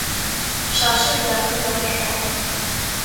Пшъашъэр янэ егъэшӀуаӀо.